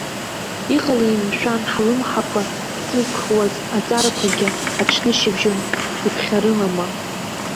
Иҟалеи, мшәан, ҳлымҳақәа ҵызхуаз аҵарақәагьы аҽнышьыбжьон иԥхьарылама?!